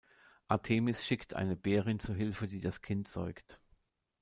Artemis schickt eine Bärin zu Hilfe, die das Kind säugt.